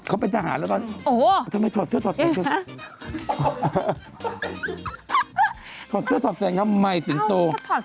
เขาเป็นทหารแล้วไหมโอ้โห